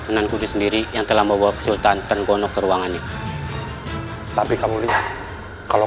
senangku sendiri yang telah membawa sultan tergonok teruangannya tapi kamu lihat kalau